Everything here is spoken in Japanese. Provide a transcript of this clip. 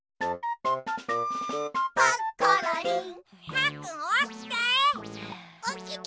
パックンおきて！